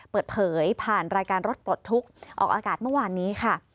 เปิดเผยผ่านรายการรถปลดทุกข์ออกอากาศเมื่อวานนี้ค่ะ